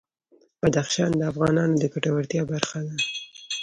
بدخشان د افغانانو د ګټورتیا برخه ده.